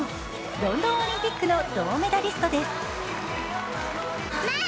ロンドンオリンピックの銅メダリストです。